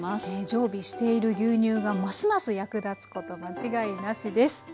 常備している牛乳がますます役立つこと間違いなしです。